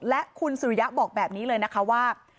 และคุณสุริยะบอกแบบนี้เลยนะคะว่า